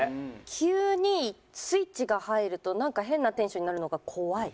急にスイッチが入るとなんか変なテンションになるのが怖い。